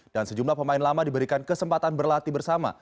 dan sejumlah pemain lama diberikan kesempatan berlatih bersama